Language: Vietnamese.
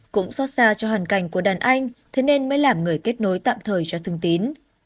cũng xót xa cho hoàn cảnh của đàn anh thế nên mới làm người kết nối tạm thời cho thương tín